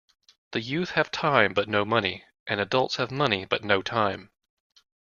The youth have time but no money and adults have money but no time.